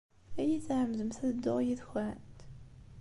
Ad iyi-tɛemmdemt ad dduɣ yid-kent?